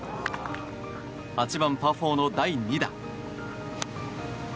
８番、パー４の第２打。